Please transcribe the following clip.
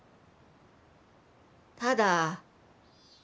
ただ。